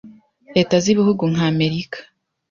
Leta z'ibihugu nka Amerika,